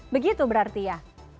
begitu berarti ya